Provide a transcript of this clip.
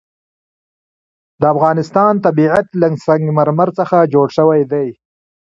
د افغانستان طبیعت له سنگ مرمر څخه جوړ شوی دی.